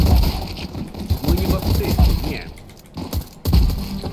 Мы не баптысты, не.